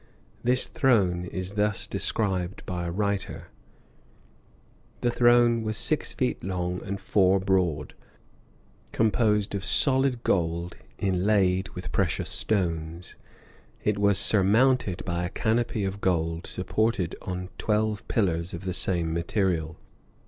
This throne is thus described by a writer: "The throne was six feet long and four broad, composed of solid gold inlaid with precious stones. It was surmounted by a canopy of gold, supported on twelve pillars of the same material.